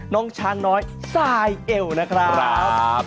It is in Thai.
น้องช้างน้อยสายเอวนะครับ